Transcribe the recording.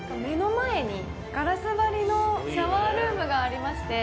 目の前にガラス張りのシャワールームがありまして。